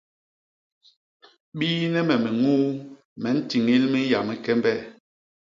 Biine me miñuu me ntiñil minya mi kembe.